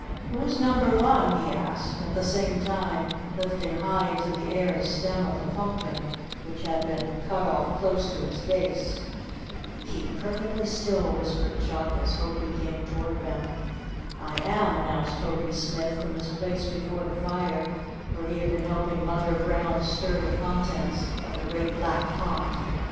"Who's number one?" he asked, at the same time lifting high into the air the stem of the pumpkin, which had been cut off close to its base. [Illustration: "Keep perfectly still," whispered Chuck as Hopie came toward them.] "I am," announced Hopie Smith from his place before the fire where he had been helping Mother Brown stir the contents of the great black pot.